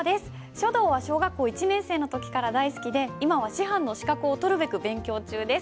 書道は小学校１年生の時から大好きで今は師範の資格を取るべく勉強中です。